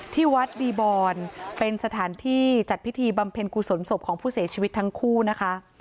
ที่วัดดีบอนเป็นสถานที่จัดพิธีบำเพ็ญกุศลศพของผู้เสียชีวิตทั้งคู่นะคะ